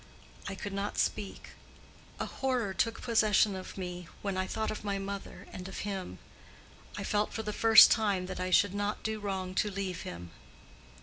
I could not speak: a horror took possession of me when I thought of my mother and of him. I felt for the first time that I should not do wrong to leave him.